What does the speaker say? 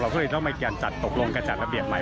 ก็เลยต้องมีการจัดตกลงการจัดระเบียบใหม่